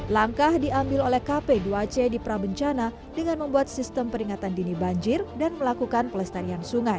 langkah diambil oleh kp dua c di prabencana dengan membuat sistem peringatan dini banjir dan melakukan pelestarian sungai